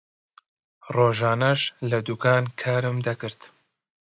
ڕۆژانەش لە دوکان کارم دەکرد.